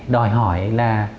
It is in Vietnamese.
đòi hỏi là